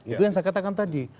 itu yang saya katakan tadi